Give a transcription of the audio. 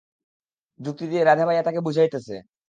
যুক্তি দিয়ে রাধে ভাইয়া তাকে বুঝাই তেছে।